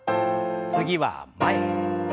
次は前。